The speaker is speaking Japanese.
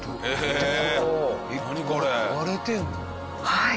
はい。